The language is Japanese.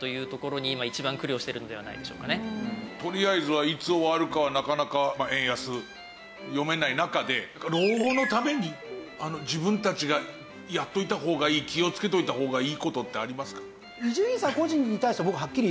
とりあえずはいつ終わるかはなかなか円安読めない中で老後のために自分たちがやっておいた方いい気をつけておいた方がいい事ってありますか？